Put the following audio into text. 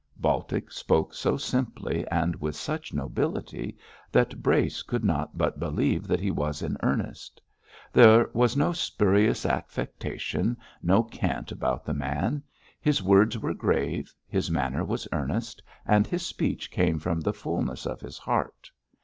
Baltic spoke so simply, and with such nobility, that Brace could not but believe that he was in earnest. There was no spurious affectation, no cant about the man; his words were grave, his manner was earnest, and his speech came from the fulness of his heart.